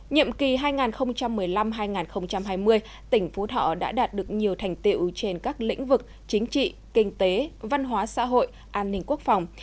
nhiệm kỳ hai nghìn một mươi năm hai nghìn hai mươi tỉnh phú thọ đã đạt được nhiều thành tiệu trên các lĩnh vực chính trị kinh tế văn hóa xã hội an ninh quốc phòng